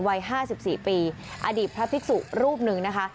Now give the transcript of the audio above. วัย๕๔ปีอดีตพระภิกษุรูปหนึ่งนะคะ